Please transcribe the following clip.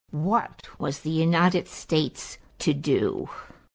What was the United States to do?